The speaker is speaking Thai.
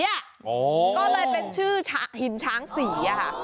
ก็เลยเป็นชื่อหินช้างสี